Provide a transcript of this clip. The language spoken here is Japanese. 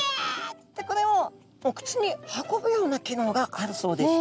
ってこれをお口に運ぶような機能があるそうです。